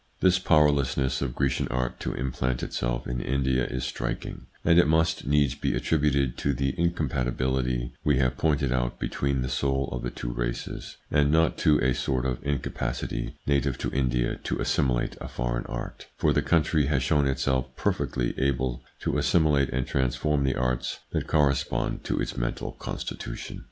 This powerlessness of Grecian art to implant itself in India is striking, and it must needs be attributed to the incompatibility we have pointed out between the soul of the two races, and not to a sort of incapacity native to India to assimilate a foreign art, for the country has shown itself perfectly able to assimilate and transform the arts that corresponded to its mental constitution.